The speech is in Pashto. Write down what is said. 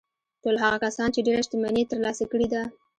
ټول هغه کسان چې ډېره شتمني يې ترلاسه کړې ده.